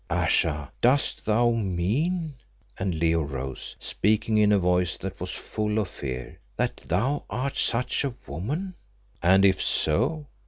Ayesha, dost thou mean" and Leo rose, speaking in a voice that was full of fear "that thou art such a woman?" "And if so?"